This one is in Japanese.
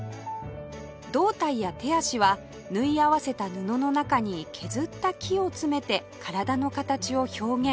胴体や手足は縫い合わせた布の中に削った木を詰めて体の形を表現